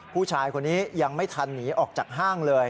ผู้ชายคนนี้ยังไม่ทันหนีออกจากห้างเลย